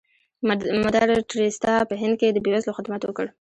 مدر ټریسا په هند کې د بې وزلو خدمت وکړ.